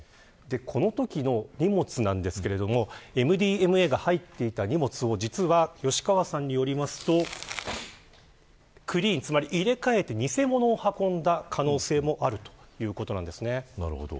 このときの荷物なんですけれどもМＤМＡが入っていた荷物を実は吉川さんによると入れ替えて偽物を運んだ可能性もあるということなんです。